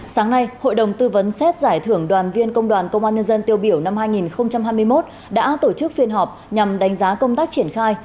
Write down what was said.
sáng nay hội đồng tư vấn xét giải thưởng đoàn viên công đoàn công an nhân dân tiêu biểu năm hai nghìn hai mươi một đã tổ chức phiên họp nhằm đánh giá công tác triển khai